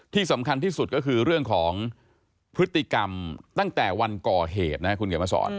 ที่สำคัญที่สุดก็คือเรื่องของพฤติกรรมตั้งแต่วันก่อเหตุนะครับคุณเขียนมาสอน